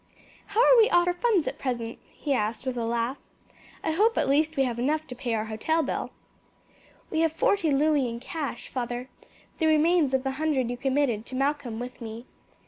How are we off for funds at present?" he asked with a laugh. "I hope at least we have enough to pay our hotel bill." "We have forty louis in cash, father; the remains of the hundred you committed to Malcolm with me."